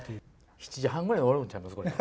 ７時半ぐらいに終わるんちゃいます、これ。